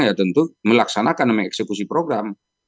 sekarang ya tentu melaksanakan mengeksekusi program